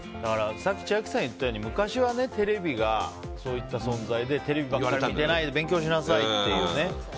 さっき千秋さんが言ったように昔はテレビがそういう存在でテレビばっかり見てないで勉強しなさいっていうね。